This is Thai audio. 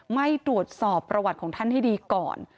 ไม่ตรวจสอบประวัติของท่านให้ดีก่อน